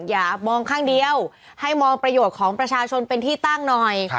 อย่ามองข้างเดียวให้มองประโยชน์ของประชาชนเป็นที่ตั้งหน่อย